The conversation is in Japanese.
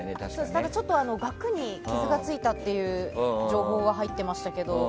ただ、額に傷がついたという情報は入っていましたけども。